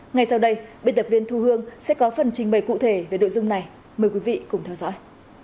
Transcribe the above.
ngay sau đây biên tập viên thu hương sẽ có phần trình bày cụ thể về nội dung này mời quý vị cùng theo dõi